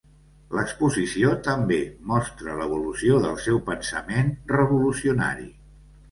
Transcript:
L'exposició també mostra l'evolució del seu pensament revolucionari.